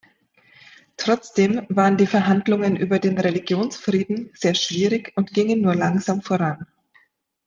Trotzdem waren die Verhandlungen über den Religionsfrieden sehr schwierig und gingen nur langsam voran.